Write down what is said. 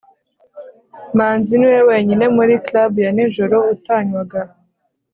manzi niwe wenyine muri club ya nijoro utanywaga